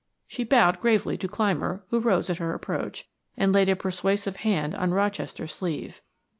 She bowed gravely to Clymer who rose at her approach, and laid a persuasive hand on Rochester's sleeve.